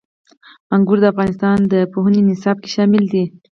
انګور د افغانستان د پوهنې نصاب کې شامل دي.